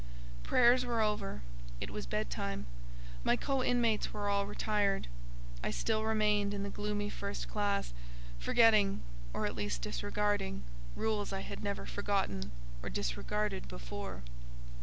Prayers were over; it was bed time; my co inmates were all retired. I still remained in the gloomy first classe, forgetting, or at least disregarding, rules I had never forgotten or disregarded before.